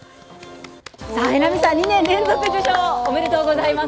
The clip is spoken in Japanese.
榎並さん、２年連続受賞おめでとうございます！